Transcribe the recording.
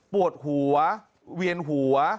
ปวดหัวเวียนหัว